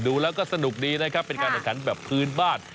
ดูแล้วก็สนุกดีนะครับเป็นการแข่งขันแบบพื้นบ้าน